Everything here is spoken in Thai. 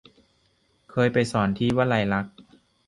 เคยไปสอนที่วลัยลักษณ์